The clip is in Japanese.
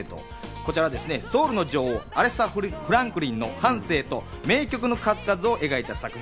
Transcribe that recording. こちらはソウルの女王、アレサ・フランクリンの半生と名曲の数々を描いた作品。